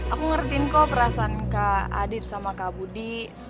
aku ngertiin kok perasaan kak adit sama kak budi